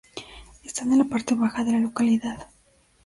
Están en la parte baja de la localidad.